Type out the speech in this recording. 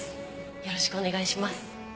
よろしくお願いします。